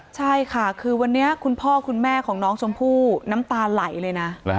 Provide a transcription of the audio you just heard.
ใช่ค่ะคือวันนี้คุณพ่อคุณแม่ของน้องชมพู่น้ำตาไหลเลยนะ